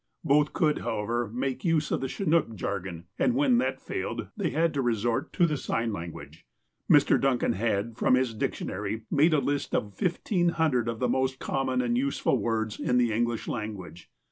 Both could, however, make use of the "Chinook" jargon, and, when that failed, they had to resort to the sign language. Mr. Duncan had, from his dictionary, made a list of 1,500 of the most common and useful words in the English language.